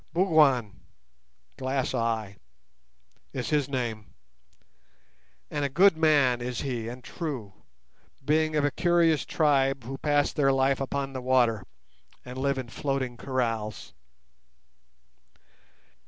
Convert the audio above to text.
Bougwan (glass eye) is his name, and a good man is he and a true, being of a curious tribe who pass their life upon the water, and live in floating kraals.